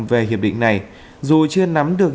về hiệp định này dù chưa nắm được